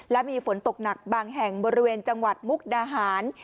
และมีฝนตกหนักบางแห่งบริเวณจังหวัดมุกดาหาร